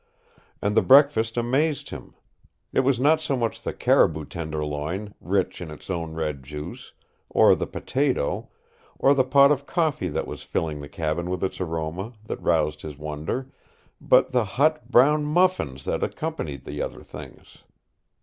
And the breakfast amazed him. It was not so much the caribou tenderloin, rich in its own red juice, or the potato, or the pot of coffee that was filling the cabin with its aroma, that roused his wonder, but the hot, brown muffins that accompanied the other things.